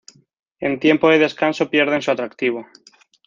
En tiempo de descanso pierden su atractivo.